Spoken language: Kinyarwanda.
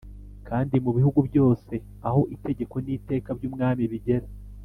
Kandi mu bihugu byose aho itegeko n iteka by’umwami bigera.